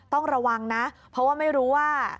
ต้องระวังนะเพราะว่าไม่รู้ว่า